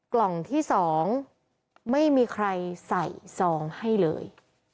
กล่องที่๒ไม่มีใครใส่ซองให้เลย